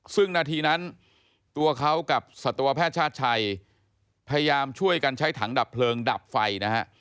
ซึ่งนาทีนั้นตัวเขากับสัตวแพทย์ชาติชัยพยายามช่วยกันใช้ถังดับเพลิงดับไฟนะฮะ